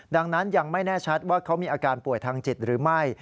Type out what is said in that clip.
ดังนั้นยังไม่แน่ชัดว่าเขามีอาการป่วยทางจิตหรือไม่